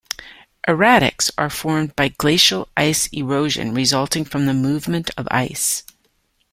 Erratics are formed by glacial ice erosion resulting from the movement of ice.